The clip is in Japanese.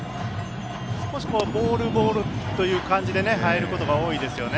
少しボール、ボールという感じで入ることが多いですよね。